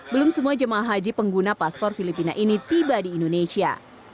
belum semua jemaah haji pengguna paspor filipina ini tiba di indonesia